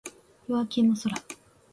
夜明けの空